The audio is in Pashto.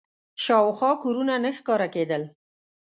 شاوخوا کورونه نه ښکاره کېدل.